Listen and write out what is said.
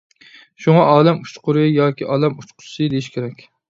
شۇڭا «ئالەم ئۇچقۇرى» ياكى «ئالەم ئۇچقۇسى» دېيىش كېرەك.